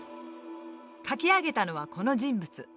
描き上げたのはこの人物。